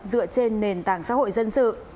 dựa trên nền tảng xã hội dân sự